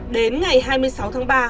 đến ngày hai mươi sáu tháng ba